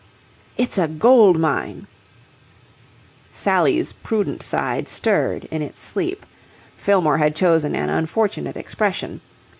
"It's a gold mine!" Sally's prudent side stirred in its sleep. Fillmore had chosen an unfortunate expression.